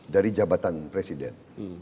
dari jabatan presiden